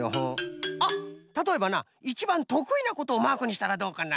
あったとえばないちばんとくいなことをマークにしたらどうかな？